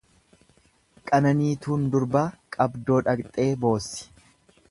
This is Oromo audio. Qananiituun durbaa qabdoo dhaqxee boossi.